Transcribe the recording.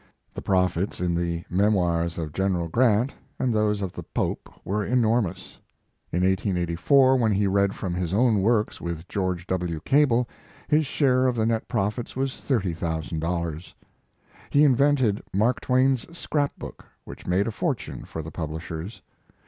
The profits in the " Memoirs of General Grant" and those of the Pope were enor His Life and Work. mous. In 1884, when he read from his own works with George W. Cable, his share of the net profits was $30,000 He invented Mark Twain s Scrap Book which made a fortune for the publishers.